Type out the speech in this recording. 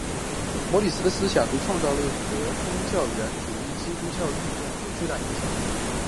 摩里斯的思想对创造论和原教旨主义基督教运动有巨大影响。